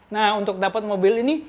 nah untuk dapat mobil ini